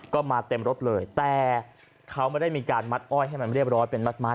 ก็มาเต็มรถเลยแต่เขาไม่ได้มีการมัดอ้อยให้มันเรียบร้อยเป็นมัด